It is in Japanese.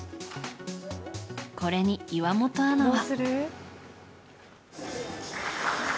これに岩本アナは。